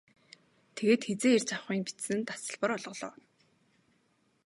Тэгээд хэзээ ирж авахы нь бичсэн тасалбар олголоо.